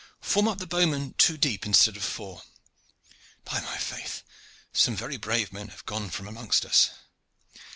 Form up the bowmen two deep instead of four. By my faith! some very brave men have gone from among us.